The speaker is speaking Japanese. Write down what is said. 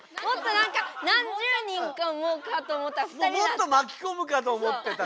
もっとまきこむかと思ってた。